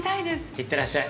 ◆行ってらっしゃい。